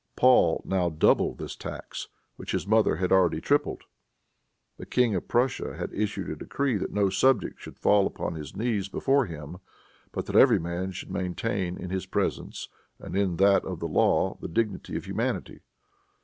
Paul now doubled this tax, which his mother had already tripled. The King of Prussia had issued a decree that no subject should fall upon his knees before him, but that every man should maintain in his presence and in that of the law the dignity of humanity.